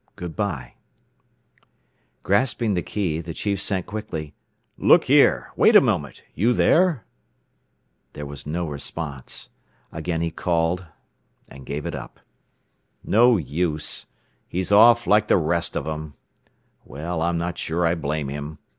G. B. (Good by)!" Grasping the key, the chief sent quickly, "Look here! Wait a moment! You there?" There was no response. Again he called, and gave it up. "No use. He's off like the rest of them. Well, I'm not sure I blame him.